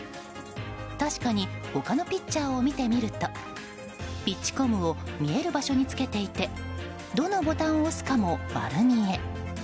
確かに他のピッチャーを見てみるとピッチコムを見える場所につけていてどのボタンを押すかも丸見え。